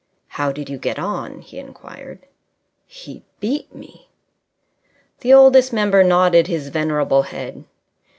"How did you get on?" he inquired. "He beat me." The Oldest Member nodded his venerable head.